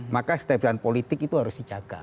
maka setiap politik itu harus dijaga